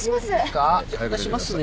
出しますね。